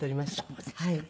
そうですか。